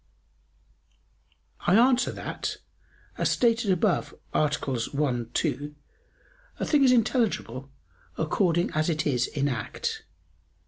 I answer that, As stated above (AA. 1, 2) a thing is intelligible according as it is in act.